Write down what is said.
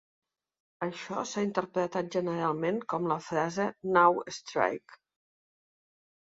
Això s'ha interpretat generalment com la frase "Now Strike".